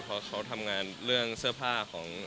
เพราะเขาทำงานเรื่องเสื้อผ้าของ